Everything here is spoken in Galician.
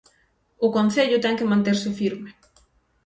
O concello ten que manterse firme.